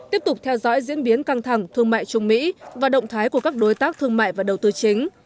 tiếp tục theo dõi diễn biến căng thẳng thương mại trung mỹ và động thái của các đối tác thương mại và đầu tư chính